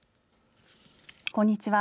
こんにちは。